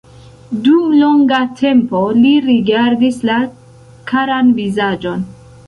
Dum longa tempo li rigardis la karan vizaĝon.